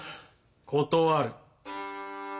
断る。